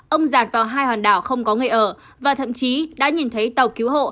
ông dạt vào hai hoàn đảo không có người ở và thậm chí đã nhìn thấy tàu cứu hộ